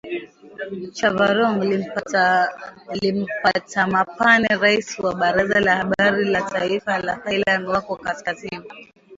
Chavarong Limpattamapanee rais wa Baraza la Habari la Taifa la Thailand wako kaskazini,